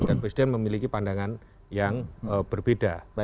dan presiden memiliki pandangan yang berbeda